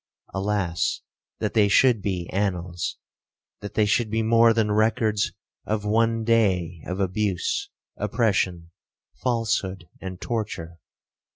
Alas! that they should be annals,—that they should be more than records of one day of abuse, oppression, falsehood, and torture.